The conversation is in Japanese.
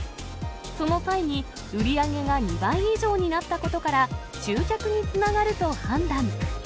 その際に売り上げが２倍以上になったことから、集客につながると判断。